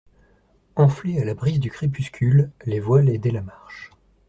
Enflées à la brise du crépuscule, les voiles aidaient la marche.